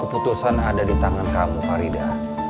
keputusan ada di tangan kamu farida